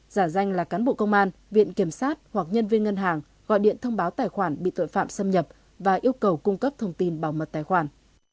giả danh là cán bộ công an viện kiểm sát hoặc nhân viên ngân hàng gọi điện thông báo tài khoản bị tội phạm xâm nhập và yêu cầu cung cấp thông tin bảo mật tài khoản